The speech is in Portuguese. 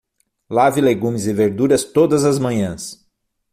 Lave legumes e verduras todas as manhãs